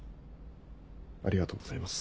ありがとうございます。